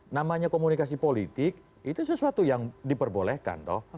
namanya komunikasi politik itu sesuatu yang diperbolehkan toh